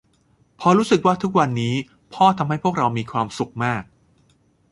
เพราะรู้สึกว่าทุกวันนี้พ่อทำให้พวกเรามีความสุขมาก